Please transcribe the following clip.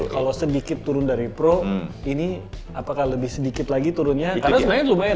kalau sedikit turun dari pro ini apakah lebih sedikit lagi turunnya karena sebenarnya lumayan